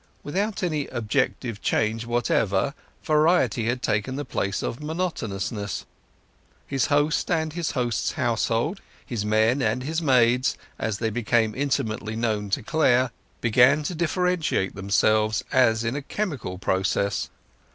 Without any objective change whatever, variety had taken the place of monotonousness. His host and his host's household, his men and his maids, as they became intimately known to Clare, began to differentiate themselves as in a chemical process.